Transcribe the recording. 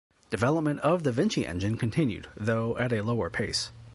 Development of the Vinci engine continued, though at a lower pace.